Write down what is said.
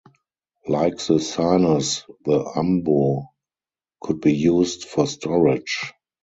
Like the "sinus", the "umbo" could be used for storage.